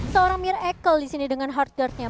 seorang mir ekel disini dengan hard guard nya